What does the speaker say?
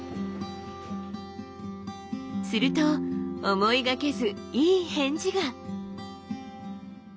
すると思いがけずいい返事が。